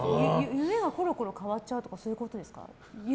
夢がコロコロ変わっちゃうとかそういうことですか？